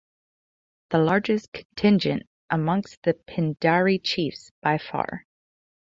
The largest contingent amongst the Pindari chiefs, by far.